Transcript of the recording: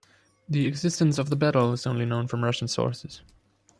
The existence of the battle is only known from Russian sources.